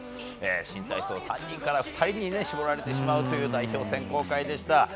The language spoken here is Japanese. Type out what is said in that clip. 新体操２人に絞られてしまうという代表選考会でした。